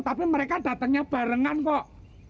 tapi mereka datangnya barengan kok